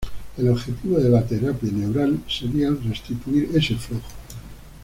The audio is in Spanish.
El objetivo de la terapia neural sería el restituir ese flujo.